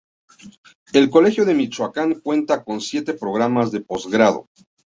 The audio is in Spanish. El Colegio de Michoacán cuenta con siete programas de posgrado.